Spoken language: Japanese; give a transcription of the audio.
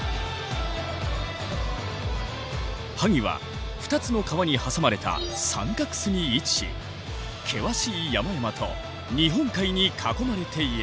萩は２つの川に挟まれた三角州に位置し険しい山々と日本海に囲まれている。